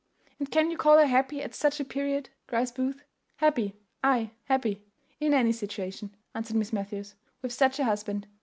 "And can you call her happy at such a period?" cries Booth. "Happy, ay, happy, in any situation," answered Miss Matthews, "with such a husband.